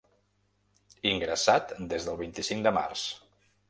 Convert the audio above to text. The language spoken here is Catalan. Ingressat des del vint-i-cinc de març.